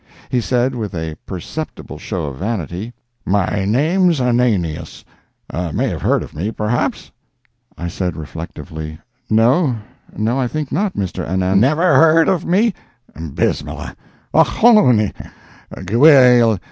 He said, with a perceptible show of vanity: "My name's Ananias—may have heard of me, perhaps?" I said, reflectively, "No—no—I think not, Mr. Anan "Never heard of me! Bismillah! Och hone! gewhil—.